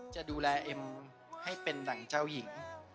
จะดูแลเอ็มให้เป็นหนังเจ้าหญิง